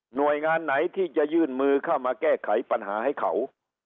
งานไหนที่จะยื่นมือเข้ามาแก้ไขปัญหาให้เขา